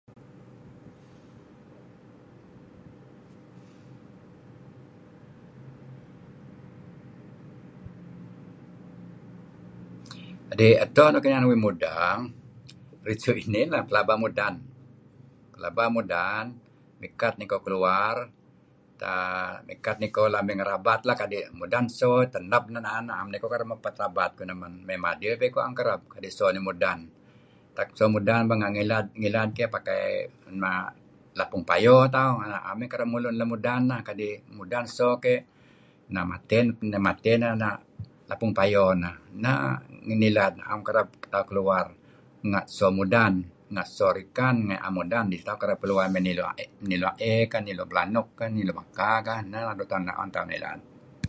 "Kadi' edto nuk inan uih mudeng... risu' inih lah, plaba mudan. Plaba mudan. Mikat niko keluar. ..Taa... Mikat niko la' mey ngerabat lah. Kadi' mudan so. Teneb neh na'en. Na'em niko kereb mepet rabat mudih men. Mey madil piko na'em kereb kadi' so nih mudan. Tak so mudan pengeh ngilad, pakai na' lapung payo tauh. Na.em ineh kereb mulun lem udan neh. Kadi' mudan so neh matey neh na' lapung payo neh. Neh ngilad. ""Em tauh kereb keluar nga' so mudan. Nga' so rikan, na'em mudan neh inan tauh keluar mey nilu' a'ey kah, nilu' pelanuk kah, nilu' baka kah. Neh nuk tu'en tauh ngilad. pakai lapung payo Na'em meh kereb mulun lem udan."